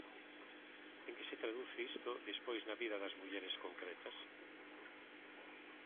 ¿En que se traduce isto despois na vida das mulleres concretas?